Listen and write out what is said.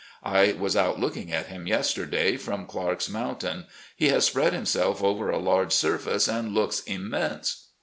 I was out looking at him yesterday, from Clarke's Mountain. He has spread himself over a large surface and looks immense.